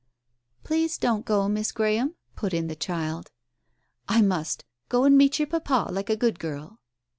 "Please don't go, Miss Graham," put in the child. "I must. Go and meet your papa, like a good girl."